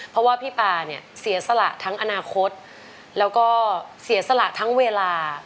เพราะว่าพี่ปาเนี่ยเสียสละทั้งอนาคตแล้วก็เสียสละทั้งเวลา